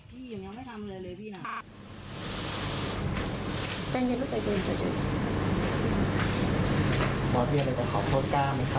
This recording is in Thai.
มีอะไรจะบอกก็ก้าไหมครับขอโทษนะครับหลายคนเราก็ฟังอยู่คุณนวิทย์เต็มไม่